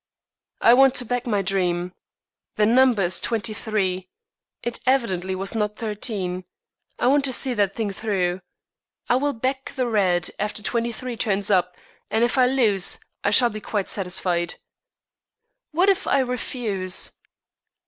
"I want to back my dream. The number is twenty three. It evidently was not thirteen. I want to see that thing through. I will back the red after twenty three turns up, and if I lose I shall be quite satisfied." "What if I refuse?"